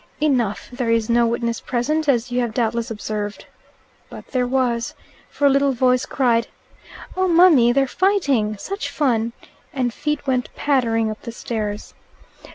"Enough there is no witness present as you have doubtless observed." But there was. For a little voice cried, "Oh, mummy, they're fighting such fun " and feet went pattering up the stairs.